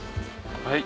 はい。